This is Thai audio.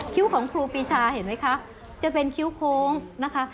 ของครูปีชาเห็นไหมคะจะเป็นคิ้วโค้งนะคะ